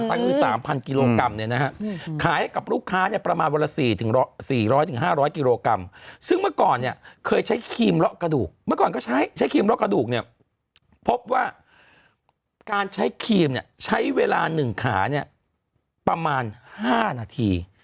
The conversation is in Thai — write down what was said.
ก็คือ๓๐๐กิโลกรัมเนี่ยนะฮะขายให้กับลูกค้าเนี่ยประมาณวันละ๔๐๐๕๐๐กิโลกรัมซึ่งเมื่อก่อนเนี่ยเคยใช้ครีมเลาะกระดูกเมื่อก่อนก็ใช้ใช้ครีมเลาะกระดูกเนี่ยพบว่าการใช้ครีมเนี่ยใช้เวลา๑ขาเนี่ยประมาณ๕นาที